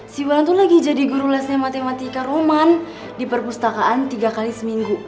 si wulan tuh lagi jadi guru les matematika roman di perpustakaan tiga x seminggu